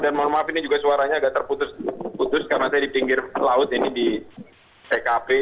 dan mohon maaf ini juga suaranya agak terputus putus karena saya di pinggir laut ini di ckp